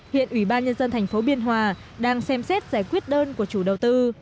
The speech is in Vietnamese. hiện ủy ban nhân dân thành phố biên hòa đang xem xét giải quyết đơn của chủ đầu tư